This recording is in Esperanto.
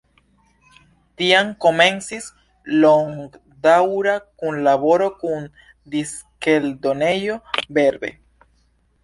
Tiam komencis longdaŭra kunlaboro kun diskeldonejo Verve.